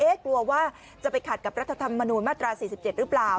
กลัวว่าจะไปขัดกับรัฐธรรมนูญมาตรา๔๗หรือเปล่า